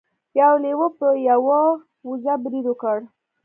یو لیوه په یوه وزه برید وکړ.